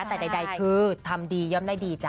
แต่ใดคือทำดีย่อมได้ดีจ้